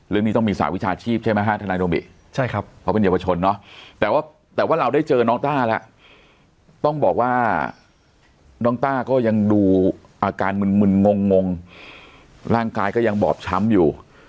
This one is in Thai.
ร่างกายก็ยังบอบช้ำอยู่